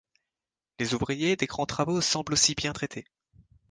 Les ouvriers des grands travaux semblent aussi bien traités.